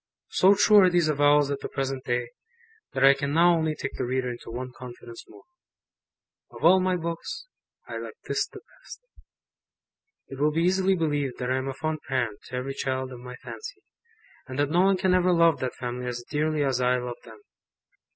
So true are these avowals at the present day, that I can now only take the reader into one confidence more. Of all my books, I like this the best. It will be easily believed that I am a fond parent to every child of my fancy, and that no one can ever love that family as dearly as I love them.